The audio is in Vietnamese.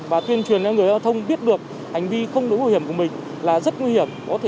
và tuyên truyền cho người giao thông biết được hành vi không đủ bảo hiểm của mình là rất nguy hiểm